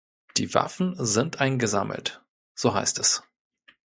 Die Waffen sind eingesammelt, so heißt es.